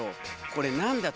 これ何や？